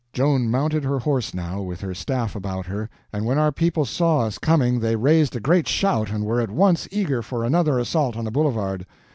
Joan mounted her horse now, with her staff about her, and when our people saw us coming they raised a great shout, and were at once eager for another assault on the boulevard.